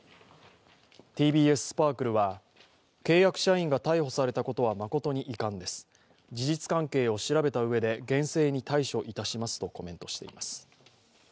ＴＢＳスパークルは契約社員が逮捕されたことは誠に遺憾です事実関係を調べたうえで厳正に対処いたしますとコメントしています。